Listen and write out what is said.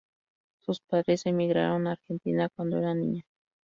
Sus padres emigraron a Argentina cuando era niña.